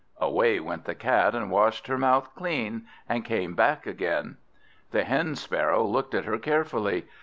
Away went the Cat, and washed her mouth clean, and came back again. The Hen sparrow looked at her carefully.